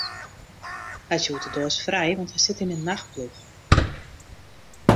Hy is hjoed oerdeis frij, want hy sit yn 'e nachtploech.